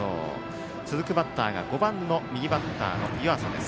続くバッターは５番の右バッター、湯浅です。